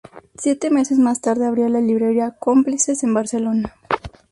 Siete meses más tarde abrió la librería Cómplices en Barcelona.